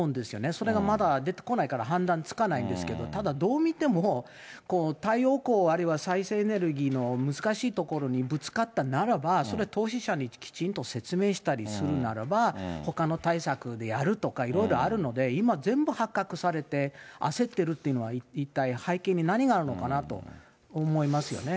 それがまだ出てこないから、判断つかないんですけど、ただ、どう見ても、太陽光あるいは再生エネルギーの難しいところにぶつかったならば、それは投資者にきちんと説明したりするならば、ほかの対策でやるとかいろいろあるので、今、全部発覚されて、焦ってるというのは、一体、背景に何があるのかなと思いますよね。